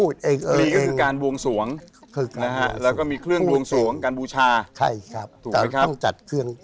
เราก็พูด